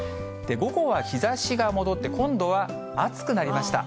午後は日ざしが戻って、今度は暑くなりました。